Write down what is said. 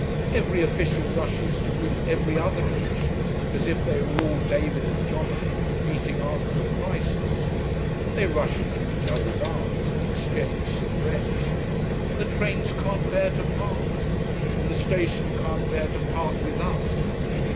Every official rushes to greet every other official, as if they were all David and Jonathan meeting after a crisis. They rush into each other's arms and exchange cigarettes. And the trains can't bear to part. And the station can't bear to part with us.